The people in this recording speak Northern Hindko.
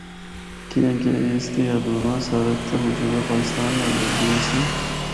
کیانکہ اس دی حدوداں سرحد تے موجودہ پاکستان نال لگدیا آسیاں۔